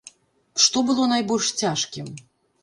Што было найбольш цяжкім?